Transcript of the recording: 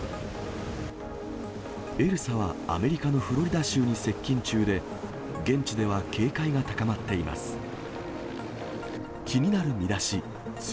エルサはアメリカのフロリダ州に接近中で、現地では警戒が高まっています。